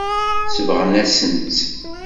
Sebɣen-asent-tt.